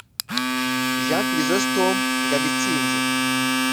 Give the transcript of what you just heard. Jean Chrysostome Ngabitsinze